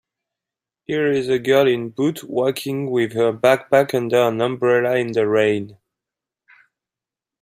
Here is a girl in boots walking with her backpack under an umbrella in the rain